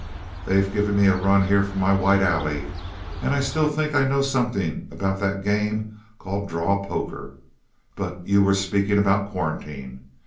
They've given me a run here for my white alley, and I still think I know something about that game called draw poker. But you were speaking about quarantine.